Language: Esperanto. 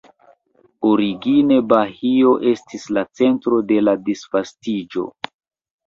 Origine Bahio estis la centro de la disvastiĝo.